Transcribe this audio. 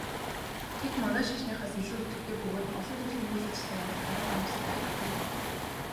Тэд манай шашныхаас илүү идэвхтэй бөгөөд олон төрлийн үйл ажиллагаа явуулдгаараа хүмүүсийг татдаг юм.